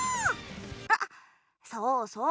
あっそうそう。